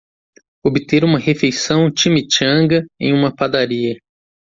Obter uma refeição chimichanga em uma padaria